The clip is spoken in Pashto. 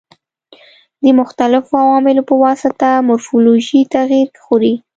د مختلفو عواملو په واسطه مورفولوژي تغیر خوري.